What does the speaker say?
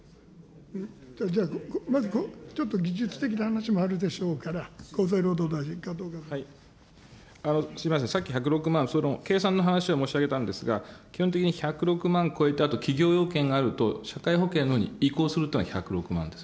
じゃあ、ちょっと技術的な話もあるでしょうから、厚生労働大臣、すみません、さっき１０６万、その計算の話を申し上げたんですが、基本的に１０６万超えたと、企業要件があると、社会保険に移行するというのが１０６万です。